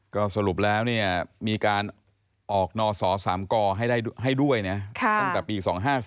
ก็สรุปแล้วมีการออกนสสามกให้ด้วยตั้งแต่ปี๒๕๔๗